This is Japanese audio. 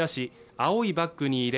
青いバッグに入れ